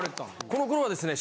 この頃はですね。